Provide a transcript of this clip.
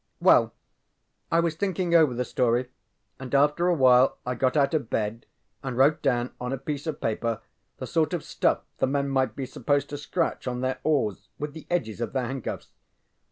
ŌĆØ ŌĆ£Well, I was thinking over the story, and after awhile I got out of bed and wrote down on a piece of paper the sort of stuff the men might be supposed to scratch on their oars with the edges of their handcuffs.